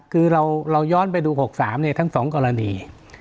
คือเราย้อนไปดู๖๓ทั้ง๒กรณี